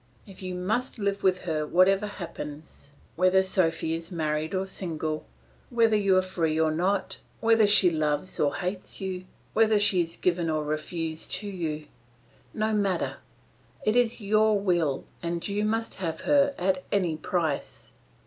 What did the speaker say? If you must live with her whatever happens, whether Sophy is married or single, whether you are free or not, whether she loves or hates you, whether she is given or refused to you, no matter, it is your will and you must have her at any price.